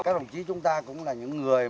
các đồng chí chúng ta cũng là những người